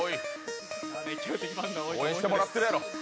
応援してもらってるやろ。